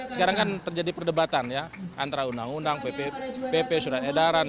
sekarang kan terjadi perdebatan ya antara undang undang pp surat edaran